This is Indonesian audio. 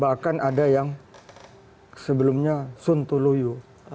bahkan ada yang sebelumnya suntoloyo